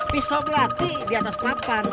pisau belati di atas papan